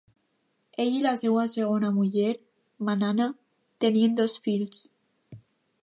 Ell i la seva segona muller, Manana, tenien dos fills.